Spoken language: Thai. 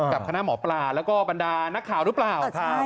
กับคณะหมอปลาแล้วก็บรรดานักข่าวหรือเปล่า